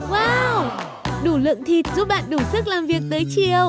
wow đủ lượng thịt giúp bạn đủ sức làm việc tới chiều